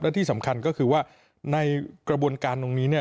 และที่สำคัญก็คือว่าในกระบวนการตรงนี้เนี่ย